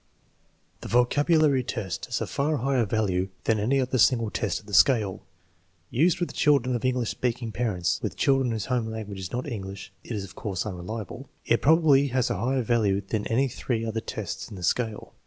The vocabulary test has a far higher value than any other single test of the scale. Used with children of English speaking parents (with children whose home language is not English it is of course unreliable), it probably has a higher value than any three other tests in the scale.